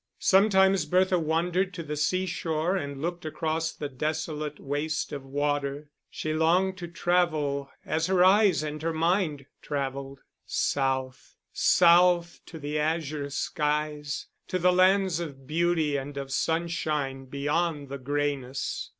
Sometimes Bertha wandered to the seashore and looked across the desolate waste of water; she longed to travel as her eyes and her mind travelled, south, south to the azure skies, to the lands of beauty and of sunshine beyond the grayness.